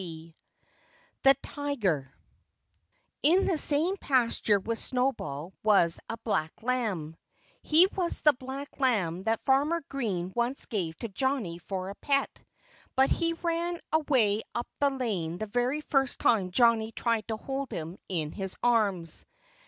X THE TIGER In the same pasture with Snowball was a black lamb. He was the black lamb that Farmer Green once gave to Johnnie for a pet. But he ran away up the lane the very first time Johnnie tried to hold him in his arms.